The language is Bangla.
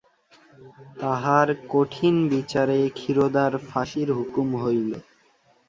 তাঁহার কঠিন বিচারে ক্ষীরোদার ফাঁসির হুকুম হইল।